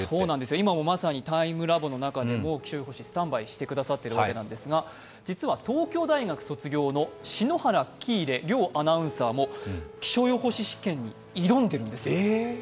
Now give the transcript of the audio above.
今もまさにタイムラボの中でもスタンバイしてくださっているわけなんですが実は東京大学卒業の篠原・喜入両アナウンサーも気象予報士試験に挑んでいるんですよ。